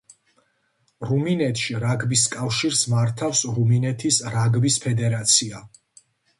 რუმინეთში რაგბის კავშირს მართავს რუმინეთის რაგბის ფედერაცია.